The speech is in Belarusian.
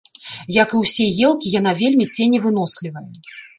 Як і ўсе елкі, яна вельмі ценевынослівая.